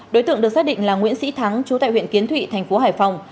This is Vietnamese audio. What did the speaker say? đối tượng được xác định là nguyễn sĩ thắng trú tại huyện kiến thụy tp hải phòng